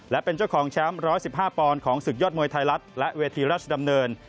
และเป็นเจ้าของแชมป์๑๑๕ปอนด์ของศึกยอดมวยไทยรัฐและเวทีราชดำเนิน